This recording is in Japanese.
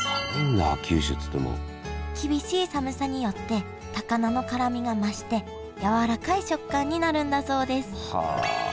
厳しい寒さによって高菜の辛みが増して柔らかい食感になるんだそうです